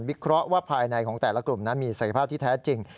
เคราะห์ว่าภายในของแต่ละกลุ่มนั้นมีศักยภาพที่แท้จริง